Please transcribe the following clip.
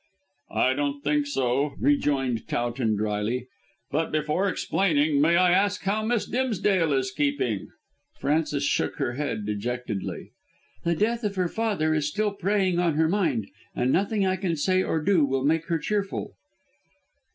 "I don't think so," rejoined Towton drily, "but before explaining, may I ask how Miss Dimsdale is keeping?" Frances shook her head dejectedly. "The death of her father is still preying on her mind, and nothing I can say or do will make her cheerful."